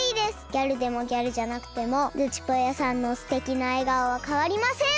ギャルでもギャルじゃなくてもズチぽよさんのすてきなえがおはかわりません！